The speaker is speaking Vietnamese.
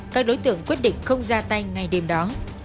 các đối tượng quyết định không ra tay ngay đêm đó